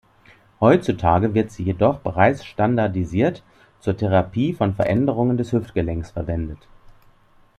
Heutzutage wird sie jedoch bereits standardisiert zur Therapie von Veränderungen des Hüftgelenks verwendet.